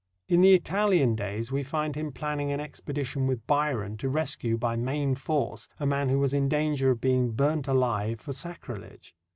In the Italian days we find him planning an expedition with Byron to rescue, by main force, a man who was in danger of being burnt alive for sacrilege.